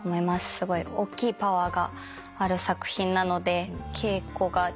すごい大きいパワーがある作品なので稽古がちょっと。